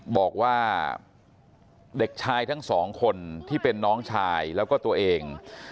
บอกว่าเด็กชายทั้งสองคนที่เป็นน้องชายแล้วก็ตัวเอง